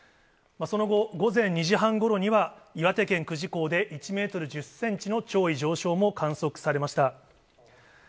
その後、午前２時半ごろには、岩手県久慈港で１メートル１０センチの潮位上昇も観測されました。